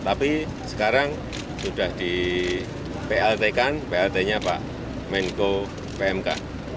tapi sekarang sudah di plt kan plt nya pak menko pmk